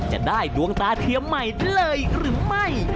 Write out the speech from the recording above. จะได้ดวงตาเทียมใหม่เลยหรือไม่